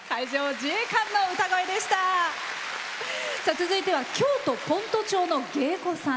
続いては京都・先斗町の芸妓さん。